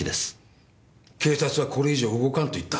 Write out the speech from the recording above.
警察はこれ以上動かんと言ったはずだ。